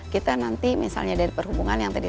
kita nanti misalnya dari perhubungan yang tadi